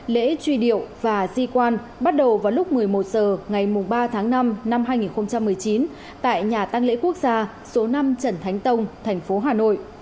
lễ truy điệu và di quan bắt đầu vào lúc một mươi một h ngày ba tháng năm năm hai nghìn một mươi chín tại nhà tăng lễ quốc gia số năm trần thánh tông thành phố hà nội